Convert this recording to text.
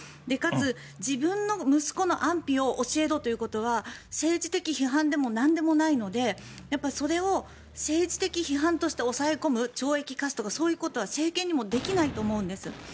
かつ、自分の息子の安否を教えろということは政治的批判でもなんでもないのでそれを政治的批判として抑え込む懲役を科すとか、そういうことは政権にもできないと思うんです。